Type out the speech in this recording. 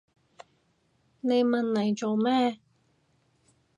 你問嚟做咩？